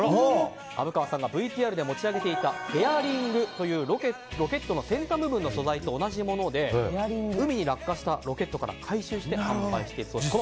虻川さんがＶＴＲで持ち上げていたフェアリングというロケットの先端部分の素材と同じもので海に落下したロケットから回収して販売しているそうです。